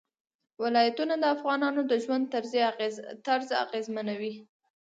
ولایتونه د افغانانو د ژوند طرز اغېزمنوي.